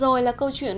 vừa rồi là câu chuyện